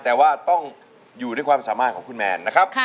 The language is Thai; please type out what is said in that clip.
แต่ว่าต้องอยู่ด้วยความสามารถของคุณแมนนะครับ